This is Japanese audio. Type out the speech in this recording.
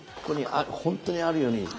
ここに本当にあるように。